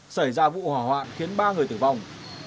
xảy ra vụ hỏa hoạn khiến ba người tử vong